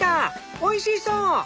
おいしそう！